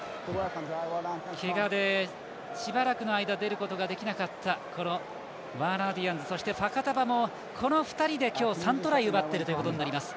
けがで、しばらくの間出ることができなかったワーナー・ディアンズそしてファカタヴァもこの２人で、今日３トライ奪っていることになります。